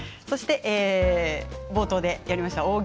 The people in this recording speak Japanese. そして冒頭でありました